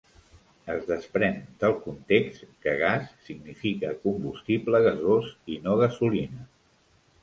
Es desprèn del context que "gas" significa combustible gasós i no gasolina.